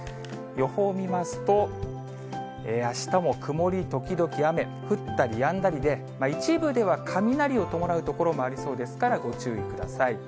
予報見ますと、あしたも曇り時々雨、降ったりやんだりで、一部では雷を伴う所もありそうですから、ご注意ください。